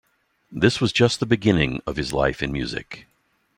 This was just the beginning of his life in music.